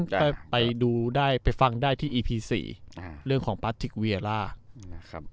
ไปไปดูได้ไปฟังได้ที่อีพีสี่อ่าเรื่องของพลาสติคเวียร้าอ่า